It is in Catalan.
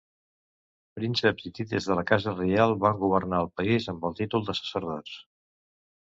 Prínceps hitites de la casa reial van governar el país amb el títol de sacerdots.